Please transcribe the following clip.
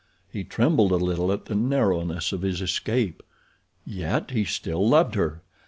He trembled a little at the narrowness of his escape. Yet, he still loved her.